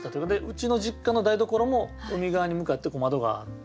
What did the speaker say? うちの実家の台所も海側に向かって窓があって。